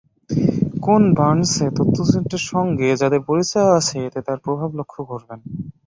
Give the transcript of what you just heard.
কেন বার্নসের তথ্যচিত্রের সঙ্গে যাদের পরিচয় আছে, এতে তাঁর প্রভাব লক্ষ করবেন।